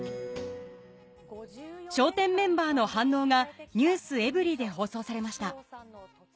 笑点メンバーの反応が『ｎｅｗｓｅｖｅｒｙ．』で放送されました